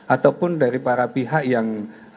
ataupun dari para pihak yang